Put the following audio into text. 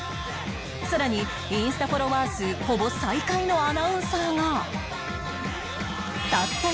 さらにインスタフォロワー数ほぼ最下位のアナウンサーが